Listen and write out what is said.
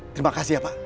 terima kasih ya pak